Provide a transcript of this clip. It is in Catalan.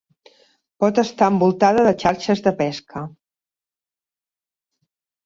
Pot estar envoltada de xarxes de pesca.